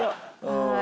はい。